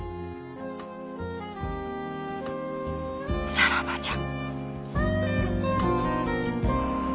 さらばじゃ。